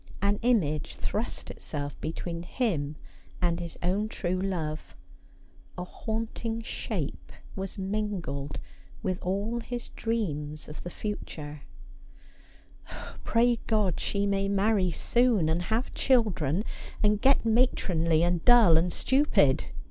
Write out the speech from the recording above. An image thrust itself between him and his own true love; a haunting shape was mingled with all his dreams of the future. 'Pray God she may marry soon, and have children, and get 'And in My Herte ivondren I Began.'' 193 matronly and dull and stupid